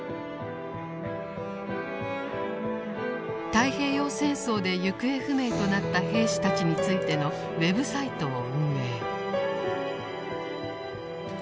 太平洋戦争で行方不明となった兵士たちについてのウェブサイトを運営。